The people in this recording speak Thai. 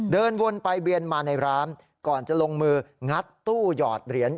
เดินวนไปเวียนมาในร้านก่อนจะลงมืองัดตู้หยอดเหรียญ